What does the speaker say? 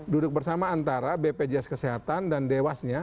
duduk bersama antara bpjs kesehatan dan dewasnya